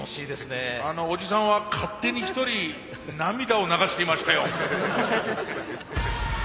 おじさんは勝手に一人涙を流していましたよ。